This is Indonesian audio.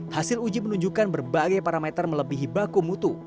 hasil uji menunjukkan berbagai parameter melebihi baku mutu